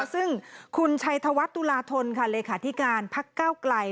ซึ่งคุณชัยธวัฒน์ตุลาธนค่ะเลขาธิการพักเก้าไกล